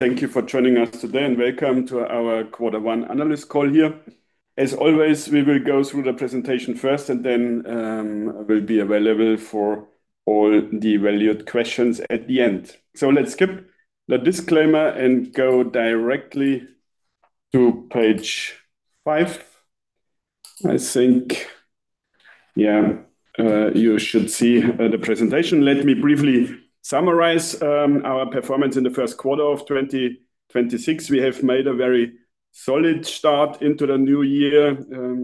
Thank you for joining us today. Welcome to our Q1 analyst call here. As always, we will go through the presentation first. Then, we will be available for all the valued questions at the end. Let's skip the disclaimer and go directly to page five. Yeah, you should see the presentation. Let me briefly summarize our performance in the Q1 of 2026. We have made a very solid start into the new year.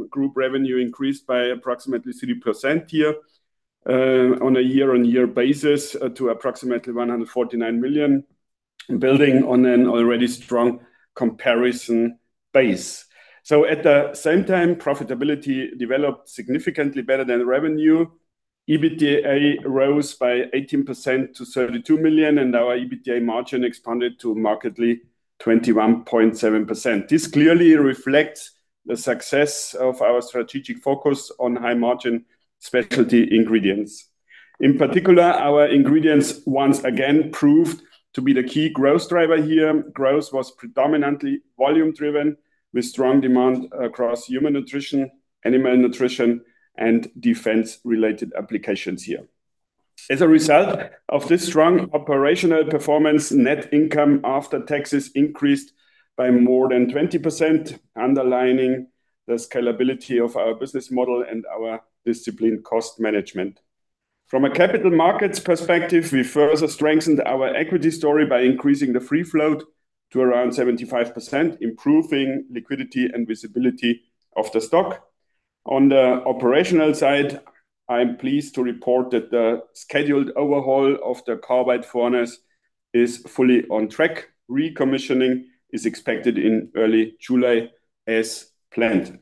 Group revenue increased by approximately 3% here on a year-on-year basis to approximately 149 million, building on an already strong comparison base. At the same time, profitability developed significantly better than revenue. EBITDA rose by 18% to 32 million. Our EBITDA margin expanded to markedly 21.7%. This clearly reflects the success of our strategic focus on high-margin specialty ingredients. In particular, our ingredients once again proved to be the key growth driver here. Growth was predominantly volume-driven with strong demand across human nutrition, animal nutrition, and defense-related applications here. As a result of this strong operational performance, net income after taxes increased by more than 20%, underlining the scalability of our business model and our disciplined cost management. From a capital markets perspective, we further strengthened our equity story by increasing the free float to around 75%, improving liquidity and visibility of the stock. On the operational side, I am pleased to report that the scheduled overhaul of the carbide furnace is fully on track. Recommissioning is expected in early July as planned.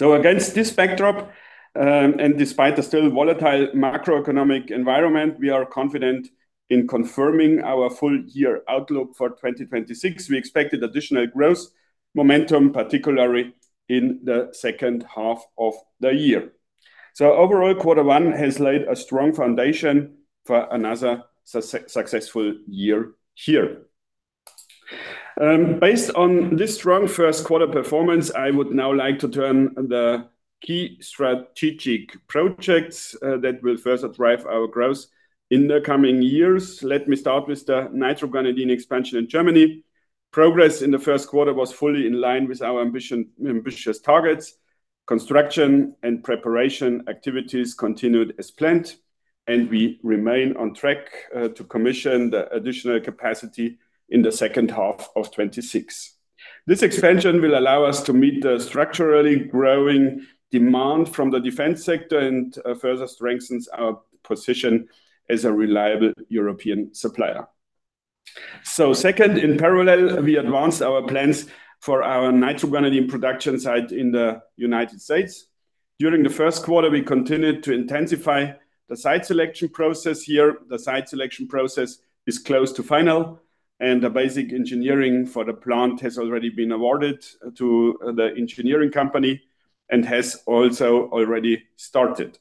Against this backdrop, and despite the still volatile macroeconomic environment, we are confident in confirming our full-year outlook for 2026. We expected additional growth momentum, particularly in the second half of the year. Overall, Q1 has laid a strong foundation for another successful year here. Based on this strong first quarter performance, I would now like to turn the key strategic projects that will further drive our growth in the coming years. Let me start with the nitroguanidine expansion in Germany. Progress in the first quarter was fully in line with our ambitious targets. Construction and preparation activities continued as planned, and we remain on track to commission the additional capacity in the second half of 2026. This expansion will allow us to meet the structurally growing demand from the defense sector and further strengthens our position as a reliable European supplier. Second, in parallel, we advanced our plans for our nitroguanidine production site in the U.S. During the first quarter, we continued to intensify the site selection process here. The site selection process is close to final, and the basic engineering for the plant has already been awarded to the engineering company and has also already started.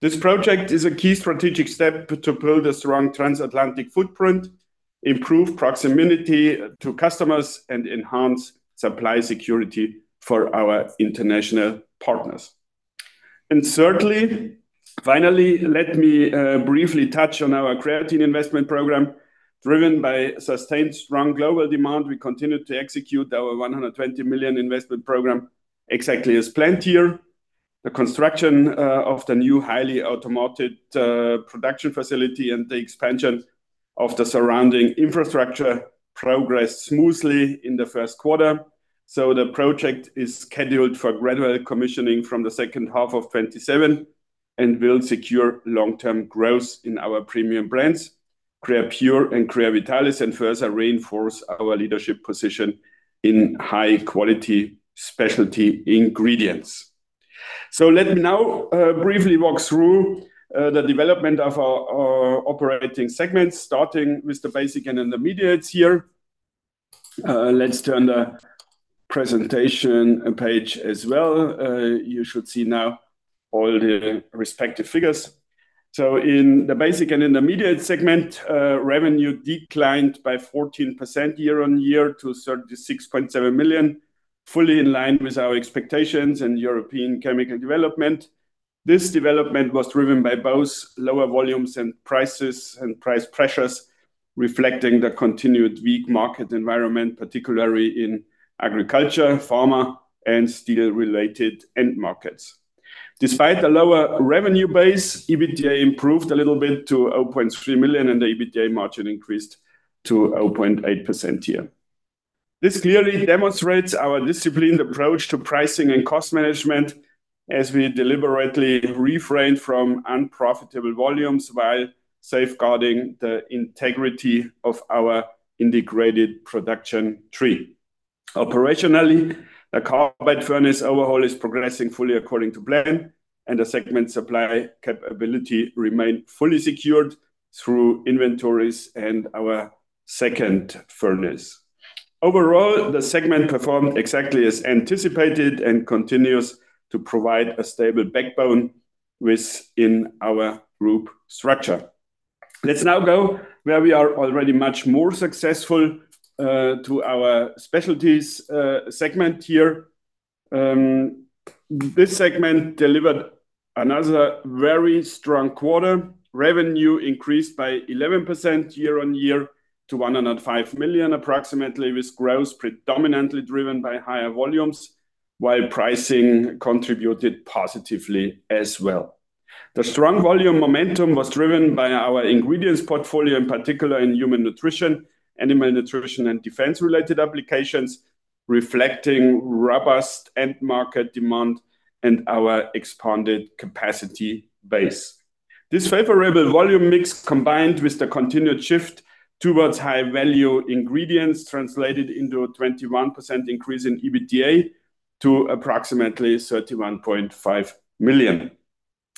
This project is a key strategic step to build a strong transatlantic footprint, improve proximity to customers, and enhance supply security for our international partners. Thirdly, finally, let me briefly touch on our creatine investment program. Driven by sustained strong global demand, we continued to execute our 120 million investment program exactly as planned here. The construction of the new highly automated production facility and the expansion of the surrounding infrastructure progressed smoothly in the first quarter. The project is scheduled for gradual commissioning from the second half of 2027 and will secure long-term growth in our premium brands, Creapure and Creavitalis, and further reinforce our leadership position in high-quality specialty ingredients. Let me now briefly walk through the development of our operating segments, starting with the Basics & Intermediates here. Let's turn the presentation page as well. You should see now all the respective figures. In the Basics & Intermediates segment, revenue declined by 14% year on year to 36.7 million, fully in line with our expectations and European chemical development. This development was driven by both lower volumes and prices and price pressures, reflecting the continued weak market environment, particularly in agriculture, pharma, and steel-related end markets. Despite the lower revenue base, EBITDA improved a little bit to 0.3 million, and the EBITDA margin increased to 0.8% year. This clearly demonstrates our disciplined approach to pricing and cost management as we deliberately refrain from unprofitable volumes while safeguarding the integrity of our integrated production tree. Operationally, the carbide furnace overhaul is progressing fully according to plan, and the segment supply capability remain fully secured through inventories and our second furnace. Overall, the segment performed exactly as anticipated and continues to provide a stable backbone within our group structure. Let's now go where we are already much more successful, to our Specialties segment here. This segment delivered another very strong quarter. Revenue increased by 11% year-on-year to approximately 105 million, with growth predominantly driven by higher volumes, while pricing contributed positively as well. The strong volume momentum was driven by our ingredients portfolio, in particular in human nutrition, animal nutrition, and defense-related applications, reflecting robust end market demand and our expanded capacity base. This favorable volume mix, combined with the continued shift towards high-value ingredients, translated into a 21% increase in EBITDA to approximately 31.5 million.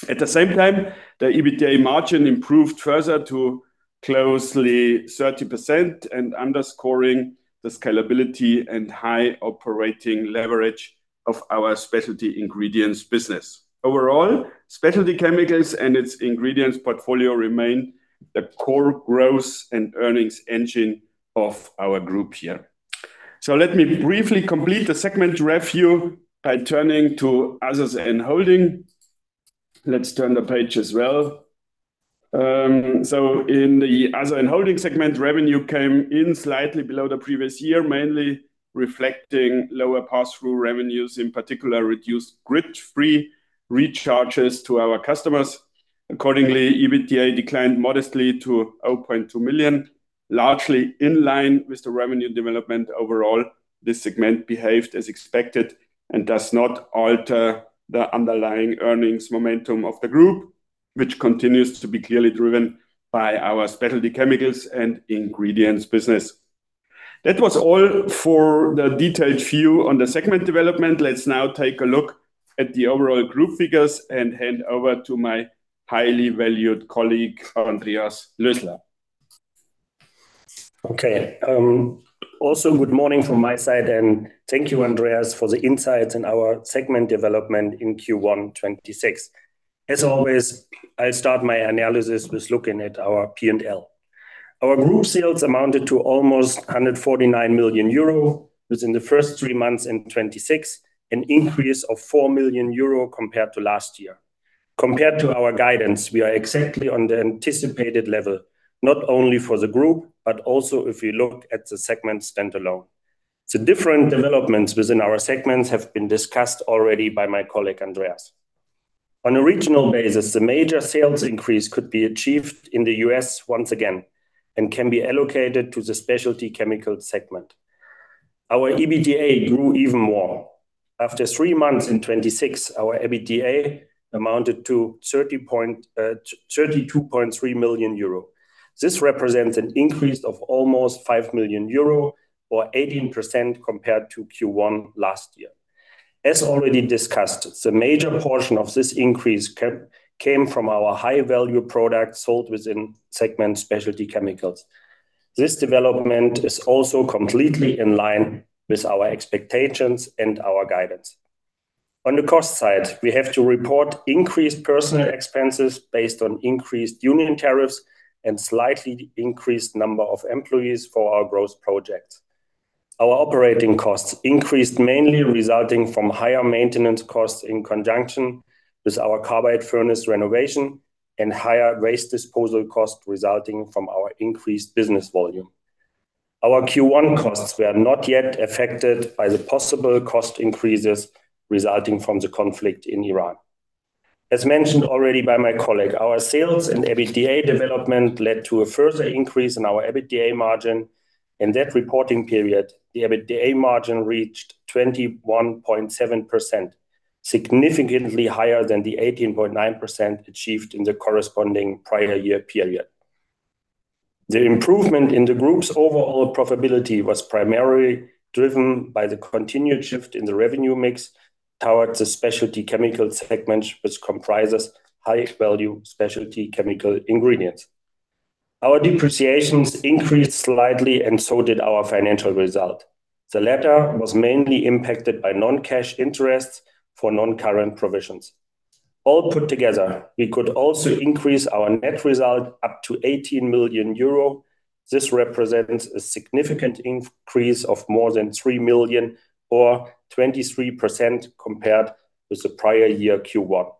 At the same time, the EBITDA margin improved further to closely 30% and underscoring the scalability and high operating leverage of our specialty ingredients business. Overall, specialty chemicals and its ingredients portfolio remain the core growth and earnings engine of our group here. Let me briefly complete the segment review by turning to Others & Holding. Let's turn the page as well. In the Other & Holding segment, revenue came in slightly below the previous year, mainly reflecting lower passthrough revenues, in particular reduced grid fee recharges to our customers. Accordingly, EBITDA declined modestly to 0.2 million, largely in line with the revenue development overall. This segment behaved as expected and does not alter the underlying earnings momentum of the group, which continues to be clearly driven by our specialty chemicals and ingredients business. That was all for the detailed view on the segment development. Let's now take a look at the overall group figures and hand over to my highly valued colleague, Andreas Lösler. Okay. Also good morning from my side, and thank you, Andreas, for the insights in our segment development in Q1 2026. As always, I'll start my analysis with looking at our P&L. Our group sales amounted to almost 149 million euro within the first three months in 2026, an increase of 4 million euro compared to last year. Compared to our guidance, we are exactly on the anticipated level, not only for the group, but also if we look at the segment standalone. The different developments within our segments have been discussed already by my colleague, Andreas. On a regional basis, the major sales increase could be achieved in the U.S. once again and can be allocated to the specialty chemicals segment. Our EBITDA grew even more. After three months in 2026, our EBITDA amounted to 32.3 million euro. This represents an increase of almost 5 million euro or 18% compared to Q1 last year. As already discussed, the major portion of this increase came from our high-value products sold within segment Specialty Chemicals. This development is also completely in line with our expectations and our guidance. On the cost side, we have to report increased personnel expenses based on increased union tariffs and slightly increased number of employees for our growth projects. Our operating costs increased mainly resulting from higher maintenance costs in conjunction with our carbide furnace renovation and higher waste disposal cost resulting from our increased business volume. Our Q1 costs were not yet affected by the possible cost increases resulting from the conflict in Iran. As mentioned already by my colleague, our sales and EBITDA development led to a further increase in our EBITDA margin. In that reporting period, the EBITDA margin reached 21.7%, significantly higher than the 18.9% achieved in the corresponding prior year period. The improvement in the group's overall profitability was primarily driven by the continued shift in the revenue mix towards the specialty chemical segment, which comprises high-value specialty chemical ingredients. Our depreciations increased slightly and so did our financial result. The latter was mainly impacted by non-cash interests for non-current provisions. All put together, we could also increase our net result up to 18 million euro. This represents a significant increase of more than 3 million or 23% compared with the prior year Q1.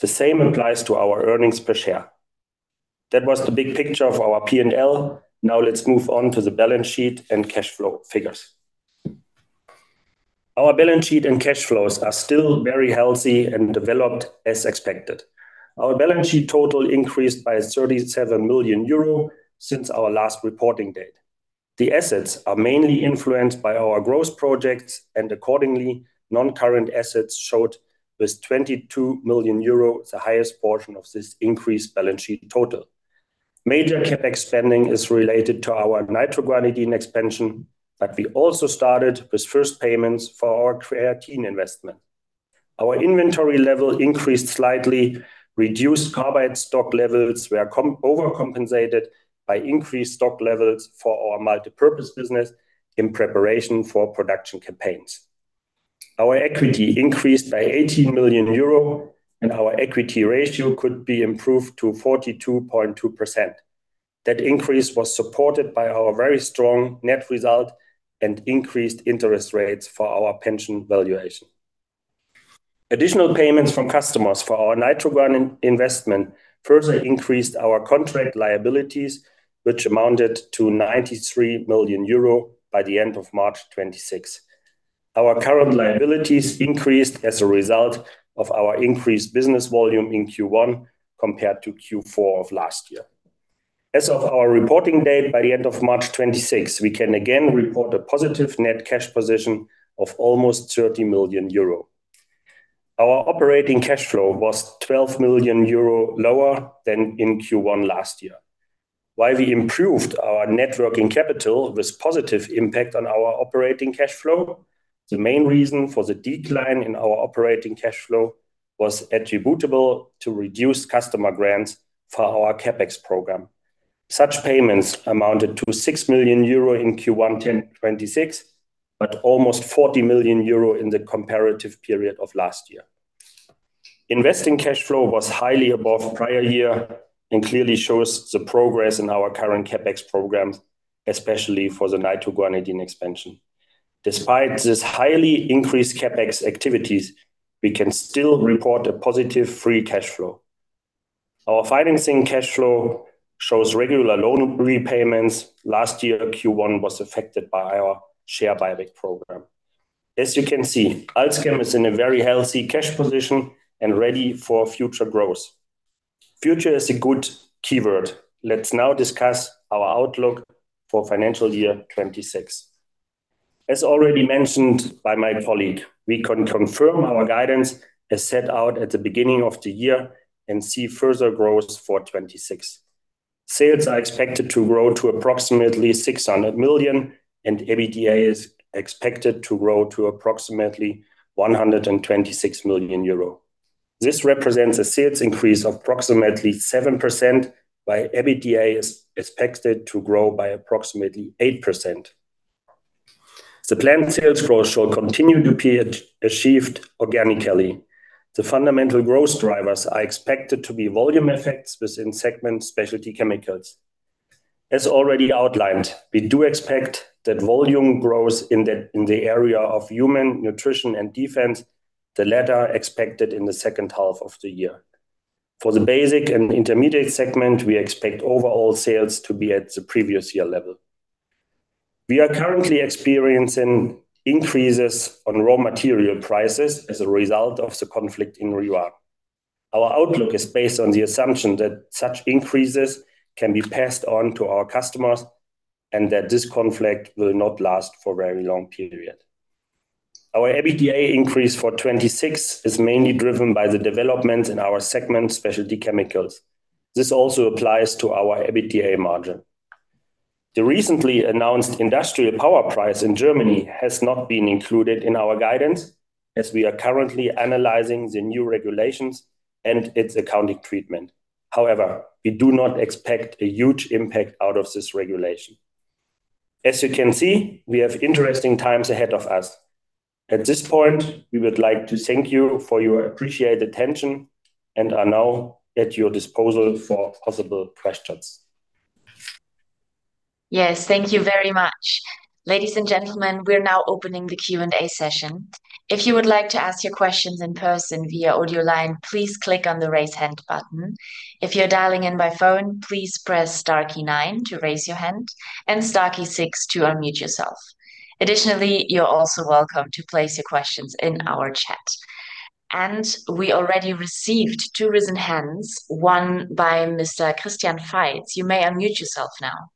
The same applies to our earnings per share. That was the big picture of our P&L. Let's move on to the balance sheet and cash flow figures. Our balance sheet and cash flows are still very healthy and developed as expected. Our balance sheet total increased by 37 million euro since our last reporting date. The assets are mainly influenced by our growth projects. Accordingly, non-current assets showed with 22 million euro, the highest portion of this increased balance sheet total. Major CapEx spending is related to our nitroguanidine expansion. We also started with first payments for our creatine investment. Our inventory level increased slightly. Reduced carbide stock levels were overcompensated by increased stock levels for our multipurpose business in preparation for production campaigns. Our equity increased by 18 million euro. Our equity ratio could be improved to 42.2%. That increase was supported by our very strong net result and increased interest rates for our pension valuation. Additional payments from customers for our nitroguanidine investment further increased our contract liabilities, which amounted to 93 million euro by the end of March 2026. Our current liabilities increased as a result of our increased business volume in Q1 compared to Q4 of last year. As of our reporting date by the end of March 2026, we can again report a positive net cash position of almost 30 million euro. Our operating cash flow was 12 million euro lower than in Q1 last year. While we improved our net working capital with positive impact on our operating cash flow, the main reason for the decline in our operating cash flow was attributable to reduced customer grants for our CapEx program. Such payments amounted to 6 million euro in Q1 ten 2026, but almost 40 million euro in the comparative period of last year. Investing cash flow was highly above prior year and clearly shows the progress in our current CapEx programs, especially for the nitroguanidine expansion. Despite this highly increased CapEx activities, we can still report a positive free cash flow. Our financing cash flow shows regular loan repayments. Last year, Q1 was affected by our share buyback program. As you can see, AlzChem is in a very healthy cash position and ready for future growth. Future is a good keyword. Let's now discuss our outlook for financial year 2026. As already mentioned by my colleague, we can confirm our guidance as set out at the beginning of the year and see further growth for 2026. Sales are expected to grow to approximately 600 million, and EBITDA is expected to grow to approximately 126 million euro. This represents a sales increase of approximately 7%, while EBITDA is expected to grow by approximately 8%. The planned sales growth shall continue to be achieved organically. The fundamental growth drivers are expected to be volume effects within segment Specialty Chemicals. As already outlined, we do expect that volume growth in the area of human nutrition and defense, the latter expected in the second half of the year. For the Basics & Intermediates segment, we expect overall sales to be at the previous year level. We are currently experiencing increases on raw material prices as a result of the conflict in Ruac. Our outlook is based on the assumption that such increases can be passed on to our customers and that this conflict will not last for very long period. Our EBITDA increase for 2026 is mainly driven by the development in our segment Specialty Chemicals. This also applies to our EBITDA margin. The recently announced Industriestrompreis in Germany has not been included in our guidance, as we are currently analyzing the new regulations and its accounting treatment. We do not expect a huge impact out of this regulation. You can see, we have interesting times ahead of us. At this point, we would like to thank you for your appreciated attention and are now at your disposal for possible questions. Yes, thank you very much. Ladies and gentlemen, we are now opening the Q&A session. If you would like to ask your questions in person via audio line, please click on the Raise Hand button. If you are dialing in by phone, please press star key nine to raise your hand and star key six to unmute yourself. Additionally, you are also welcome to place your questions in our chat. We already received two risen hands, one by Mr. Christian Faitz. You may unmute yourself now.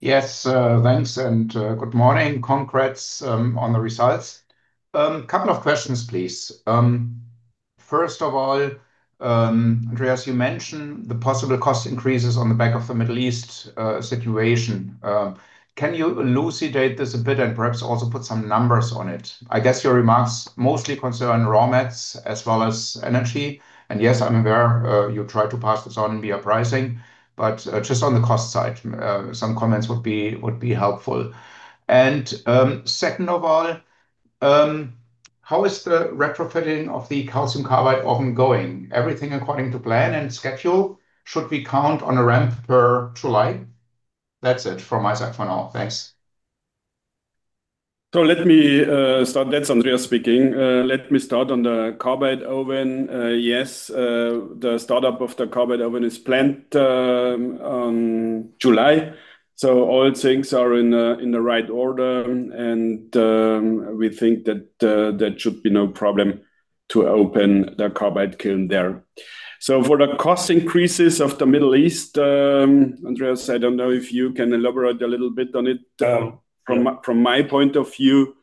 Yes, thanks and good morning. Congrats on the results. Couple of questions, please. First of all, Andreas, you mentioned the possible cost increases on the back of the Middle East situation. Can you elucidate this a bit and perhaps also put some numbers on it? I guess your remarks mostly concern raw mats as well as energy. Yes, I'm aware, you try to pass this on via pricing, but just on the cost side, some comments would be helpful. Second of all, how is the retrofitting of the calcium carbide oven going? Everything according to plan and schedule? Should we count on a ramp per July? That's it from my side for now. Thanks. Let me start. That's Andreas speaking. Let me start on the carbide oven. Yes, the startup of the carbide oven is planned on July. All things are in the right order and we think that there should be no problem to open the carbide kiln there. For the cost increases of the Middle East, Andreas, I don't know if you can elaborate a little bit on it. Yeah. From my point of view,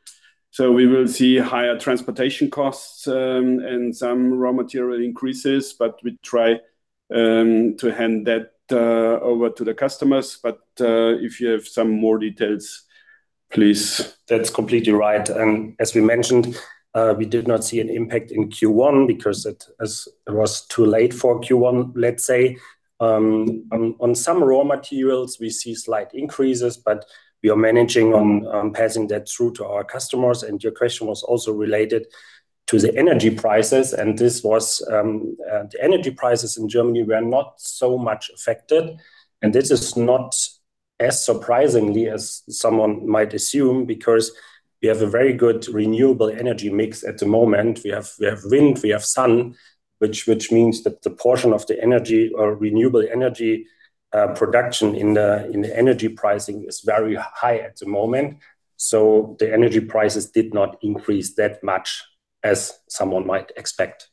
we will see higher transportation costs, and some raw material increases, but we try to hand that over to the customers. If you have some more details, please That's completely right. As we mentioned, we did not see an impact in Q1 because it was too late for Q1, let's say. On some raw materials we see slight increases, but we are managing on passing that through to our customers. Your question was also related to the energy prices, and this was the energy prices in Germany were not so much affected. This is not as surprising as someone might assume, because we have a very good renewable energy mix at the moment. We have wind, we have sun, which means that the portion of the energy or renewable energy production in the energy pricing is very high at the moment. The energy prices did not increase that much as someone might expect.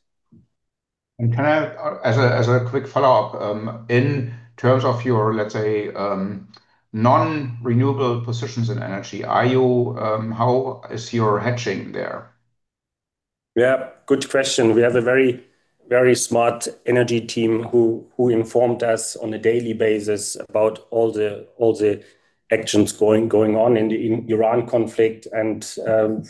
Can I, as a quick follow-up, in terms of your, let's say, non-renewable positions in energy, how is your hedging there? Yeah, good question. We have a very smart energy team who informed us on a daily basis about all the actions going on in the Iran conflict.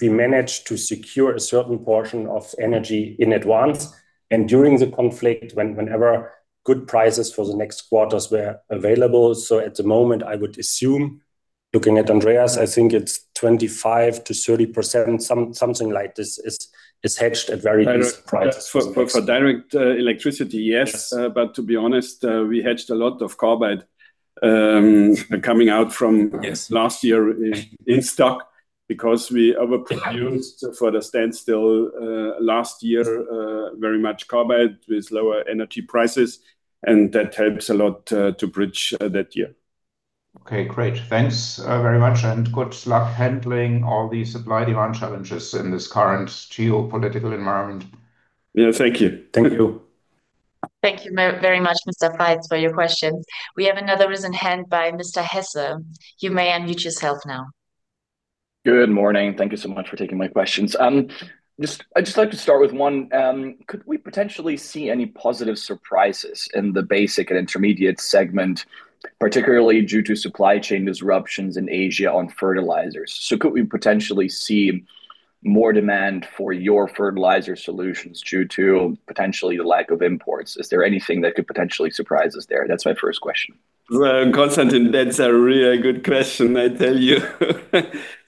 We managed to secure a certain portion of energy in advance and during the conflict whenever good prices for the next quarters were available. At the moment, I would assume, looking at Andreas, I think it's 25%-30%, something like this is hedged at very least price for the next- For direct electricity, yes. Yes. To be honest, we hedged a lot of carbide— Yes —last year in stock because we overproduced for the standstill, last year, very much carbide with lower energy prices, and that helps a lot, to bridge, that year. Okay. Great. Thanks very much and good luck handling all the supply-demand challenges in this current geopolitical environment. Yeah. Thank you. Thank you. Thank you very much, Mr. Faitz, for your questions. We have another risen hand by Mr. Hesse. You may unmute yourself now. Good morning. Thank you so much for taking my questions. I'd just like to start with 1. Could we potentially see any positive surprises in the Basics & Intermediates segment, particularly due to supply chain disruptions in Asia on fertilizers? Could we potentially see more demand for your fertilizer solutions due to potentially the lack of imports? Is there anything that could potentially surprise us there? That's my first question. Well, Constantin, that's a really good question, I tell you.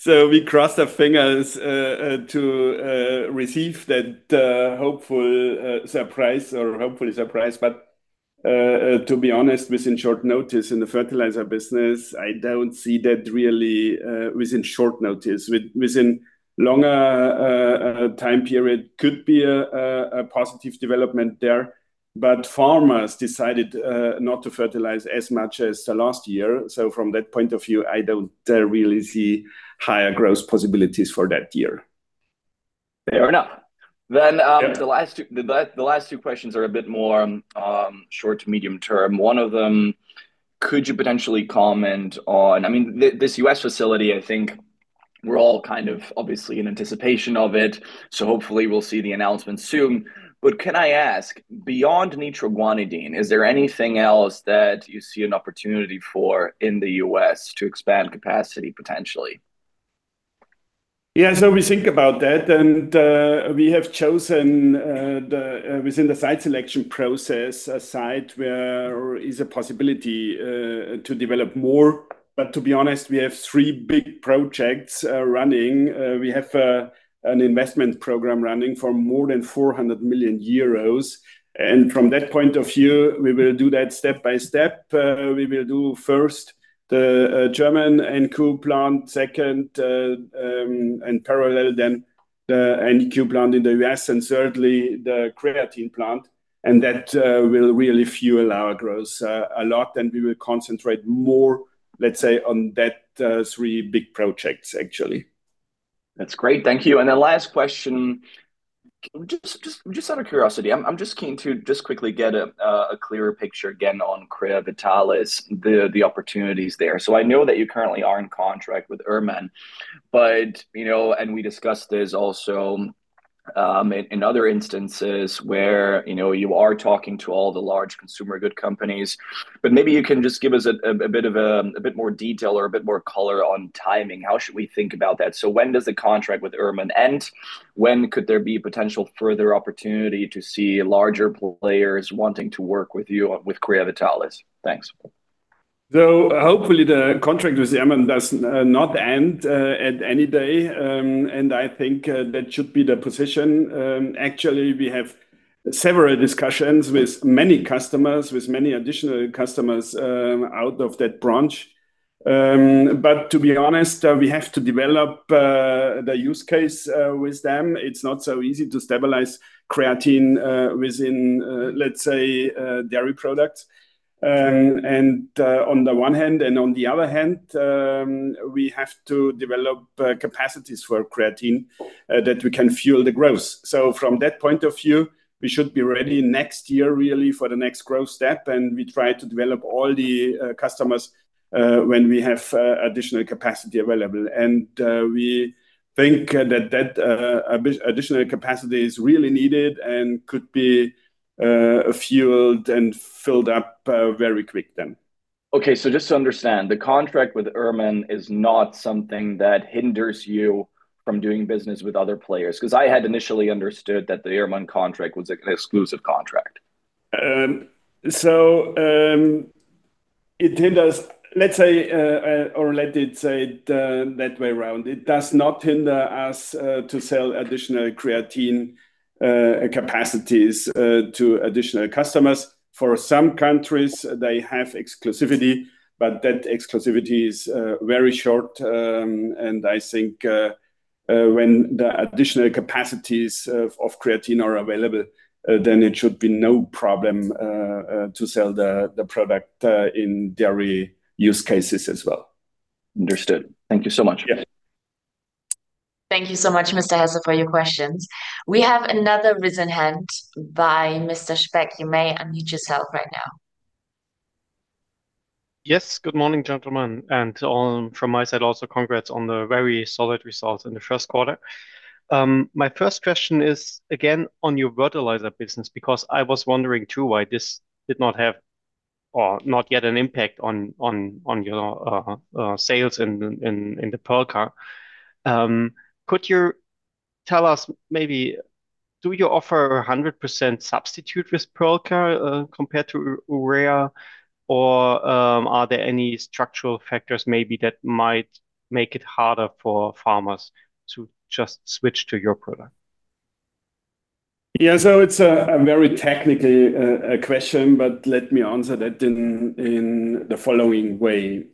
We cross our fingers to receive that hopeful surprise or hopefully surprise, to be honest, within short notice in the fertilizer business, I don't see that really within short notice. Within longer time period could be a positive development there, farmers decided not to fertilize as much as the last year. From that point of view, I don't really see higher growth possibilities for that year. Fair enough. Yeah The last two questions are a bit more short to medium term. One of them, could you potentially comment on. I mean, this U.S. facility, I think we're all kind of obviously in anticipation of it, so hopefully we'll see the announcement soon. Can I ask, beyond nitroguanidine, is there anything else that you see an opportunity for in the U.S. to expand capacity potentially? We think about that, we have chosen the within the site selection process, a site where is a possibility to develop more. To be honest, we have three big projects running. We have an investment program running for more than 400 million euros. From that point of view, we will do that step by step. We will do first the German NQ plant. Second, in parallel then the NQ plant in the U.S., and thirdly, the creatine plant. That will really fuel our growth a lot, and we will concentrate more, let's say, on that three big projects actually. That's great. Thank you. Then last question, just out of curiosity, I'm just keen to just quickly get a clearer picture again on Creavitalis, the opportunities there. I know that you currently are in contract with Ehrmann, but, you know, we discussed this also in other instances where, you know, you are talking to all the large consumer good companies, but maybe you can just give us a bit of a bit more detail or a bit more color on timing. How should we think about that? When does the contract with Ehrmann end? When could there be potential further opportunity to see larger players wanting to work with you, with Creavitalis? Thanks. Hopefully the contract with Ehrmann does not end at any day. I think that should be the position. Actually we have several discussions with many customers, with many additional customers out of that branch. To be honest, we have to develop the use case with them. It's not so easy to stabilize creatine within, let's say, dairy products. On the one hand, and on the other hand, we have to develop capacities for creatine that we can fuel the growth. From that point of view, we should be ready next year really for the next growth step, and we try to develop all the customers when we have additional capacity available. We think that that additional capacity is really needed and could be fueled and filled up very quick then. Just to understand, the contract with Ehrmann is not something that hinders you from doing business with other players? I had initially understood that the Ehrmann contract was an exclusive contract. It does not hinder us to sell additional creatine capacities to additional customers. For some countries, they have exclusivity, but that exclusivity is very short. I think when the additional capacities of creatine are available, then it should be no problem to sell the product in dairy use cases as well. Understood. Thank you so much. Yeah. Thank you so much, Mr. Hesse, for your questions. We have another risen hand by Mr. Speck. You may unmute yourself right now. Yes. Good morning, gentlemen, and all. From my side also, congrats on the very solid results in the Q1. My first question is, again, on your fertilizer business because I was wondering too why this did not have or not yet an impact on your sales in the Perlka. Could you tell us maybe do you offer 100% substitute with Perlka compared to urea? Are there any structural factors maybe that might make it harder for farmers to just switch to your product? Yeah. It's a very technically question, but let me answer that in the following way.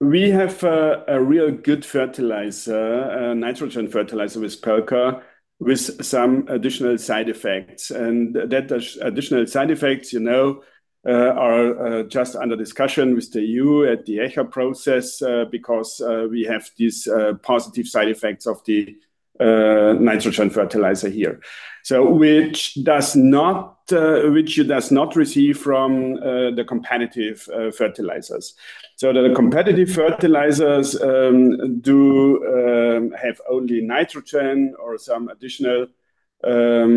We have a real good fertilizer, nitrogen fertilizer with Perlka with some additional side effects, that additional side effects, you know, are just under discussion with the EU at the ECHA process, because we have these positive side effects of the nitrogen fertilizer here. Which does not, which it does not receive from the competitive fertilizers. The competitive fertilizers do have only nitrogen or some additional, yeah,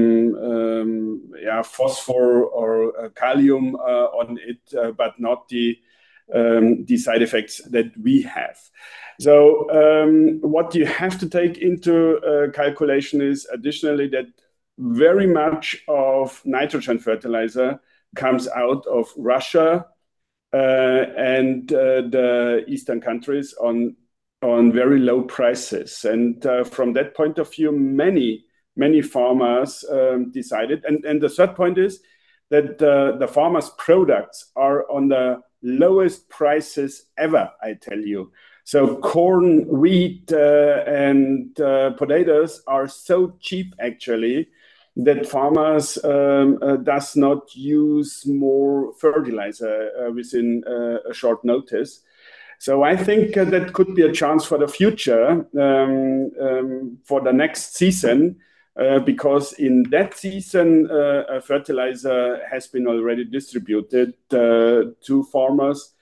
phosphor or calcium on it, but not the side effects that we have. What you have to take into calculation is additionally that very much of nitrogen fertilizer comes out of Russia and the eastern countries on very low prices. From that point of view, many, many farmers decided. The third point is that the farmers' products are on the lowest prices ever, I tell you. Corn, wheat, and potatoes are so cheap actually that farmers does not use more fertilizer within a short notice. I think that could be a chance for the future for the next season, because in that season fertilizer has been already distributed to farmers.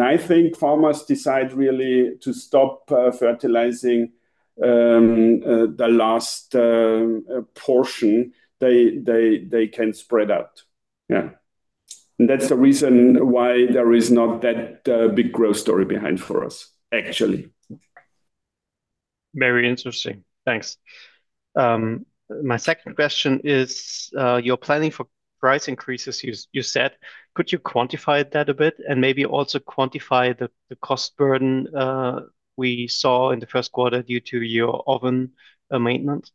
I think farmers decide really to stop fertilizing the last portion they can spread out. Yeah. That's the reason why there is not that big growth story behind for us, actually. Very interesting. Thanks. My second question is, you're planning for price increases, you said. Could you quantify that a bit and maybe also quantify the cost burden we saw in the first quarter due to your oven maintenance?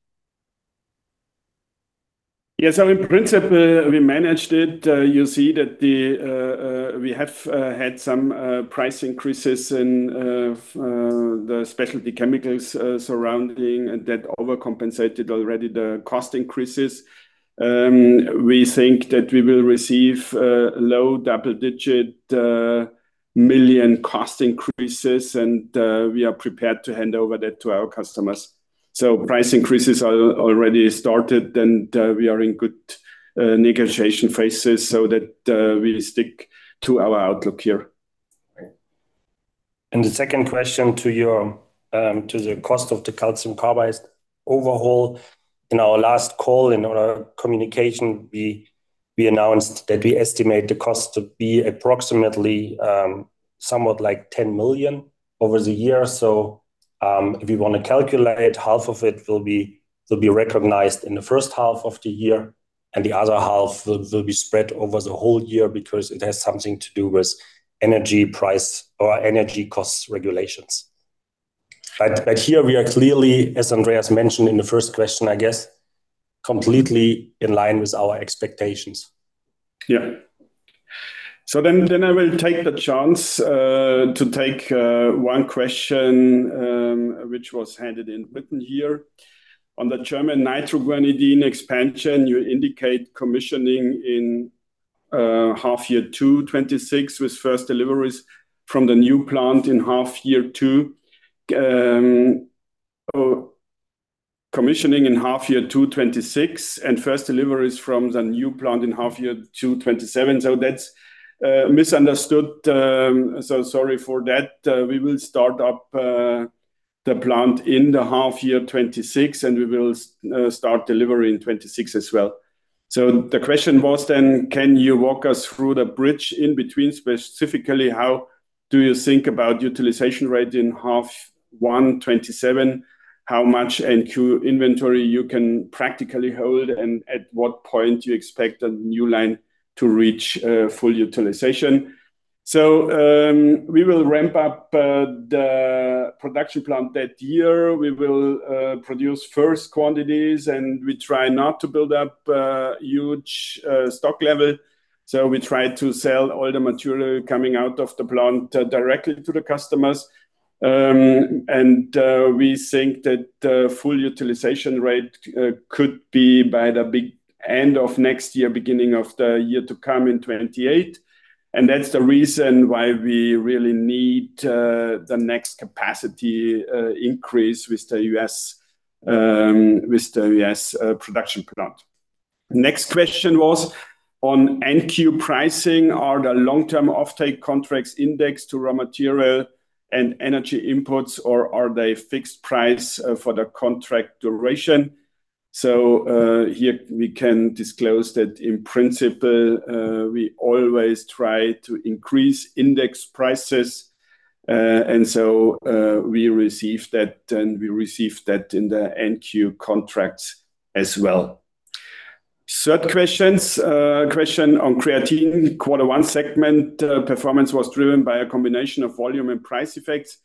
Yeah. In principle, we managed it. You see that the we have had some price increases in the specialty chemicals surrounding and that overcompensated already the cost increases. We think that we will receive low double-digit million cost increases, and we are prepared to hand over that to our customers. Price increases are already started and we are in good negotiation phases so that we stick to our outlook here. The second question to your to the cost of the calcium carbide overhaul. In our last call, in our communication, we announced that we estimate the cost to be approximately 10 million over the year. If you want to calculate, half of it will be recognized in the first half of the year, and the other half will be spread over the whole year because it has something to do with energy price or energy costs regulations. Here we are clearly, as Andreas mentioned in the first question, I guess, completely in line with our expectations. I will take the chance to take one question which was handed in written here. On the German nitroguanidine expansion, you indicate commissioning in half-year two 2026 with first deliveries from the new plant in half-year two. Commissioning in half-year two 2026 and first deliveries from the new plant in half-year two 2027. That's misunderstood. Sorry for that. We will start up the plant in the half year 2026, and we will start delivery in 2026 as well. The question was can you walk us through the bridge in between, specifically how do you think about utilization rate in half 1 2027? How much NQ inventory you can practically hold, and at what point do you expect a new line to reach full utilization? We will ramp up the production plant that year. We will produce first quantities, and we try not to build up huge stock level. We try to sell all the material coming out of the plant directly to the customers. We think that the full utilization rate could be by the end of next year, beginning of the year to come in 2028. That's the reason why we really need the next capacity increase with the U.S., with the U.S. production plant. Next question was on NQ pricing. Are the long-term offtake contracts indexed to raw material and energy imports, or are they fixed price for the contract duration? Here we can disclose that in principle, we always try to increase index prices. We receive that, and we receive that in the NQ contracts as well. Third questions, question on creatine. Quarter one segment, performance was driven by a combination of volume and price effects,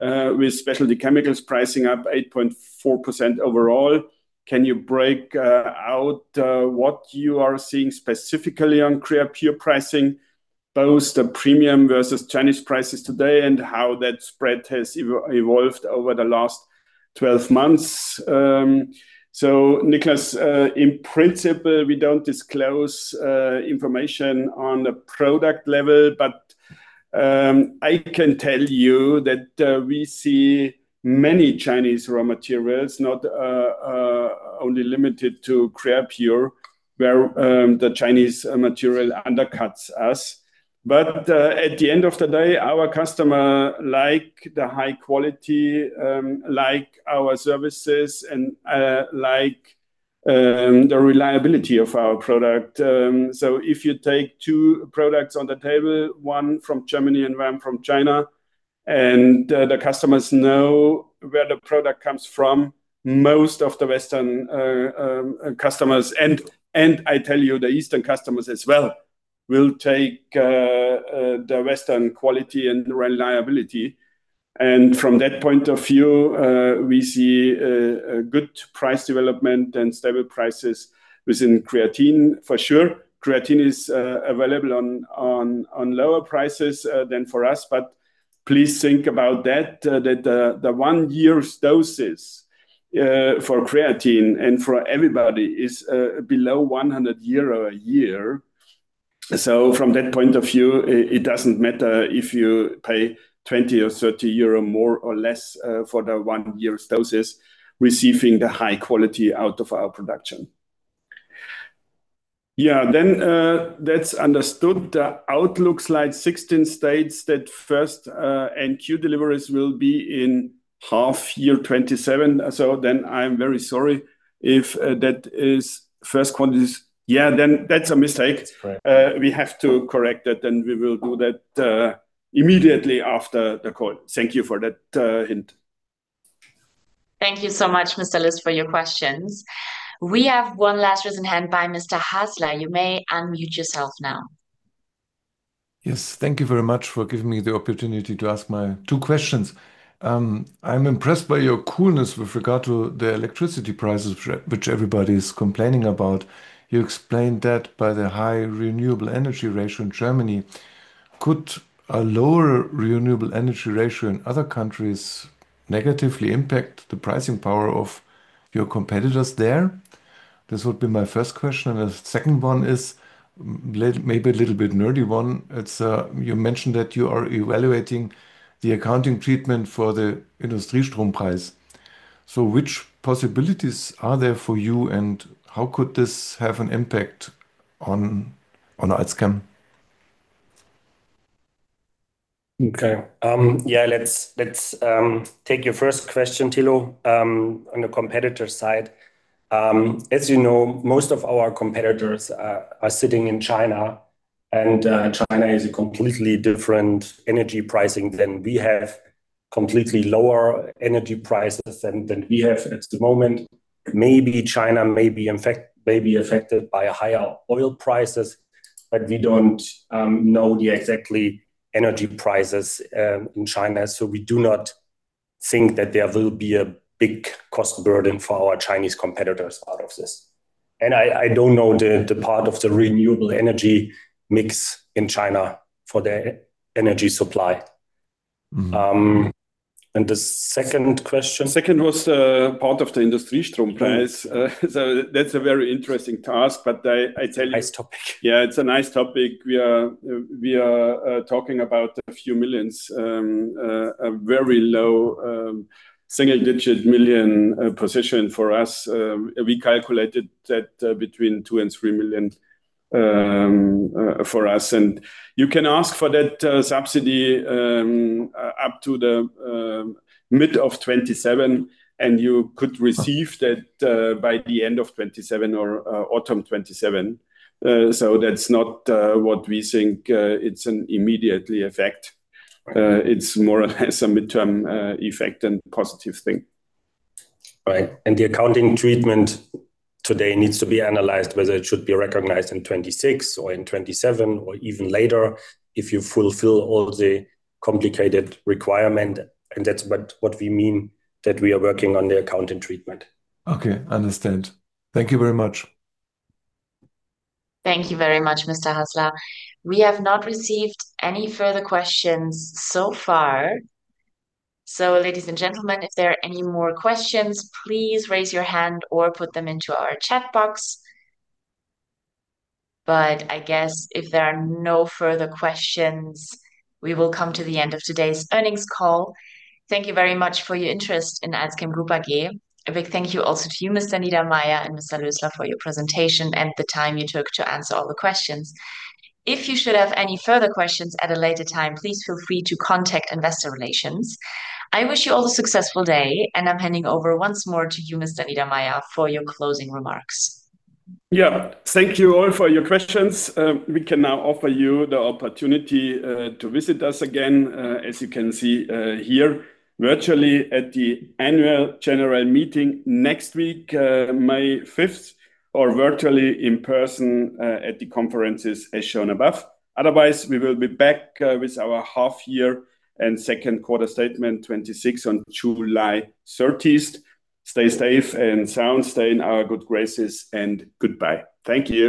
with specialty chemicals pricing up 8.4% overall. Can you break out what you are seeing specifically on Creapure pricing, both the premium versus Chinese prices today and how that spread has evolved over the last 12 months? Niklas, in principle, we don't disclose information on the product level, but, I can tell you that, we see many Chinese raw materials, not only limited to Creapure, where the Chinese material un dercuts us. At the end of the day, our customer like the high quality, like our services and, like the reliability of our product. So if you take two products on the table, one from Germany and one from China, and the customers know where the product comes from, most of the Western customers, and I tell you, the Eastern customers as well, will take the Western quality and reliability. From that point of view, we see a good price development and stable prices within creatine. For sure, creatine is available on lower prices than for us, but please think about that the one year's doses for creatine and for everybody is below 100 euro a year. From that point of view, it doesn't matter if you pay 20 or 30 euro more or less, for the one year's doses, receiving the high quality out of our production. Yeah. That's understood. The outlook slide 16 states that first NQ deliveries will be in half year 2027. I'm very sorry if that is first quantities. Yeah. That's a mistake. That's right. We have to correct that, and we will do that immediately after the call. Thank you for that hint. Thank you so much, Mr. Luz, for your questions. We have one last question in hand by Mr. Hasler. You may unmute yourself now. Yes. Thank you very much for giving me the opportunity to ask my two questions. I'm impressed by your coolness with regard to the electricity prices which everybody's complaining about. You explained that by the high renewable energy ratio in Germany. Could a lower renewable energy ratio in other countries negatively impact the pricing power of your competitors there? This would be my first question. The second one is maybe a little bit nerdy one. You mentioned that you are evaluating the accounting treatment for the Industriestrompreis. Which possibilities are there for you, and how could this have an impact on AlzChem? Okay. Let's take your first question, Thilo, on the competitor side. As you know, most of our competitors are sitting in China, and China is a completely different energy pricing than we have, completely lower energy prices than we have at the moment. Maybe China may be affected by a higher oil prices, but we don't know the exact energy prices in China. We do not think that there will be a big cost burden for our Chinese competitors out of this. I don't know the part of the renewable energy mix in China for their energy supply. Mm-hmm. The second question. Second was the part of the Industriestrompreis. Yes. That's a very interesting task, but I tell you. Nice topic. Yeah. It's a nice topic. We are talking about a few millions. A very low, single-digit million position for us. We calculated that between 2 million and 3 million for us. You can ask for that subsidy up to the mid of 2027, and you could receive that by the end of 2027 or autumn 2027. That's not what we think is an immediate effect. Right. It's more or less a midterm effect and positive thing. Right. The accounting treatment today needs to be analyzed, whether it should be recognized in 2026 or in 2027 or even later if you fulfill all the complicated requirement. That's what we mean that we are working on the accounting treatment. Okay. Understand. Thank you very much. Thank you very much, Mr. Hasler. We have not received any further questions so far. Ladies and gentlemen, if there are any more questions, please raise your hand or put them into our chat box. I guess if there are no further questions, we will come to the end of today's earnings call. Thank you very much for your interest in AlzChem Group AG. A big thank you also to you, Mr. Niedermaier and Mr. Hasler for your presentation and the time you took to answer all the questions. If you should have any further questions at a later time, please feel free to contact investor relations. I wish you all a successful day, and I'm handing over once more to you, Mr. Niedermaier, for your closing remarks. Yeah. Thank you all for your questions. We can now offer you the opportunity to visit us again, as you can see, here virtually at the annual general meeting next week, May 5th, or virtually in person, at the conferences as shown above. Otherwise, we will be back with our half year and second quarter statement 2026 on July 30th. Stay safe and sound. Stay in our good graces, and goodbye. Thank you